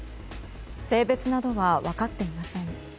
性別などは分かっていません。